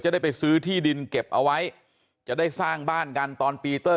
ได้ไปซื้อที่ดินเก็บเอาไว้จะได้สร้างบ้านกันตอนปีเตอร์